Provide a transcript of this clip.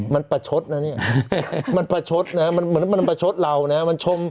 มันประชดนะนี่มันประชดนะมันประชดเรานะ